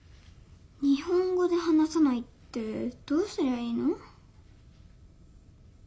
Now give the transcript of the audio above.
日本語で話さないってどうすりゃいいの？